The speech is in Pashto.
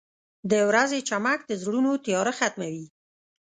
• د ورځې چمک د زړونو تیاره ختموي.